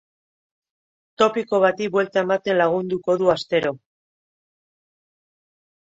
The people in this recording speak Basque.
Topiko bati buelta ematen lagunduko du astero.